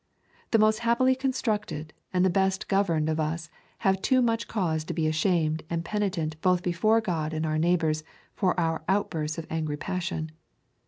The most happily constituted and the best governed of us have too much cause to be ashamed and penitent both before God and our neighbours for our outbursts of angry passion.